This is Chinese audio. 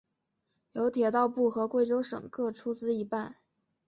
由铁道部与贵州省各出资一半。